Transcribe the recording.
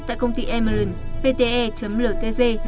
tại công ty emerald pte ltg